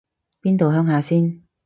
邊度鄉下先